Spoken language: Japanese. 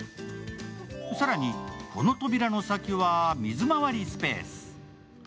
更に、この扉の先は水まわりスペース。